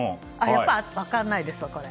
やっぱり分からないです、これ。